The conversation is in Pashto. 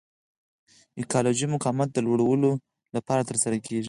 ایکالوژیکي مقاومت د لوړلولو لپاره ترسره کیږي.